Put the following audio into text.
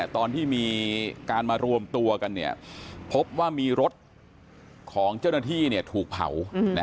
ตอนที่มีการมารวมตัวกันพบว่ามีรถของเจ้าหน้าที่ถูกเผา